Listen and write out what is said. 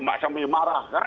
mbak sambil marah kan